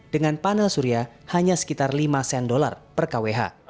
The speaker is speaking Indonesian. dengan panel surya hanya sekitar lima sen dolar per kwh